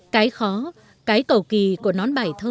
cái khó cái cầu kỳ của nón bài thơ